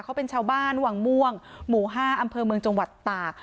เขาเป็นชาวบ้านวังม่วงหมู่๕อำเภอเมืองจังหวัดตาก